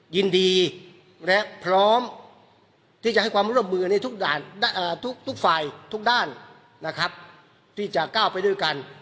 ยินดีและพร้อมที่จะให้ความร่วมมือในทุกฝ่ายทุกด้านนะครับที่จะก้าวไปด้วยกัน